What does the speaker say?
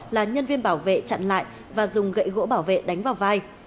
là nhân viên bảo vệ chặn lại và dùng gậy gỗ bảo vệ đánh vào vai